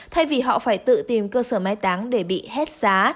thay vì họ phải tự tìm cơ sở mai táng để bị hết giá